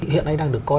hiện nay đang được coi